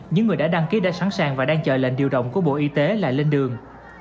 những người đã đăng ký đã sẵn sàng và đang chờ lệnh điều động của bộ y tế là lên đường